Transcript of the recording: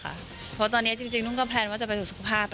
เพราะว่าตอนนี้จริงนุ้นก็แพลนว่าจะไปสุขภาพ